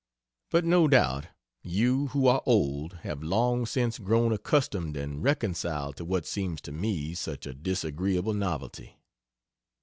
But no doubt you, who are old, have long since grown accustomed and reconciled to what seems to me such a disagreeable novelty.